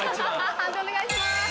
判定お願いします。